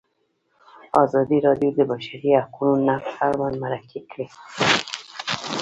ازادي راډیو د د بشري حقونو نقض اړوند مرکې کړي.